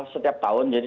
setiap tahun jadi